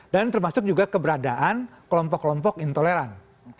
dan termasuk juga keberadaan kelompok kelompok intoleran